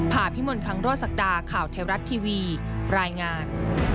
ผ่าพิมลคังโรศักดาข่าวเทวรัฐทีวีรายงาน